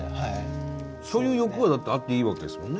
そういう欲はあっていいわけですもんね。